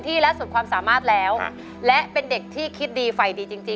ตีดกับดักหักคนเดียว